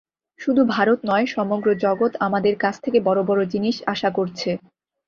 শুধু ভারত নয়, সমগ্র জগৎ আমাদের কাছ থেকে বড় বড় জিনিষ আশা করছে।